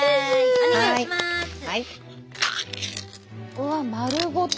うわ丸ごと！